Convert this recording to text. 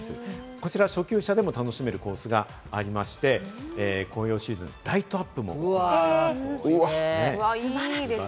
こちら初級者でも楽しめるコースがありまして、紅葉シーズン、ライトアップもあるんですね。